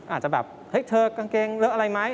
อาจจะแบบเฮ้ยเธอกางเกงเลอะอะไรไหม